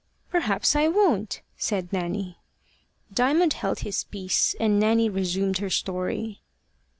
"Perhaps I won't," said Nanny. Diamond held his peace, and Nanny resumed her story.